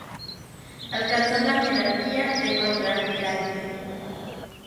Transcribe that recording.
Alcanzó la jerarquía de contraalmirante.